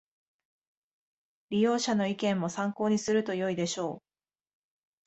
利用者の意見も参考にするとよいでしょう